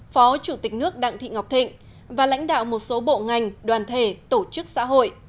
phó chủ tịch nước đặng thị ngọc thịnh và lãnh đạo một số bộ ngành đoàn thể tổ chức xã hội